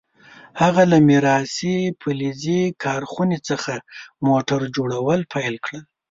هغه له میراثي فلزي کارخونې څخه موټر جوړول پیل کړل.